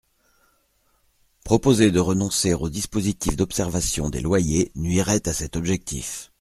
Proposer de renoncer au dispositif d’observation des loyers nuirait à cet objectif.